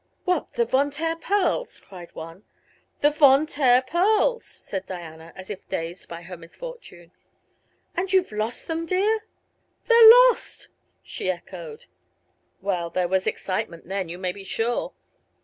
"What, the Von Taer pearls?" cried one. "The Von Taer pearls," said Diana, as if dazed by her misfortune. "And you've lost them, dear?" "They're lost!" she echoed. Well, there was excitement then, you may be sure.